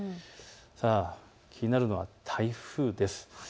気になるのは台風です。